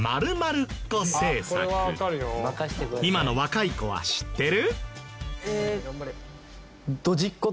今の若い子は知ってる？